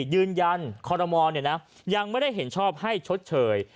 ยืนยันคอรมอลยังไม่ได้เห็นชอบให้ชดเชย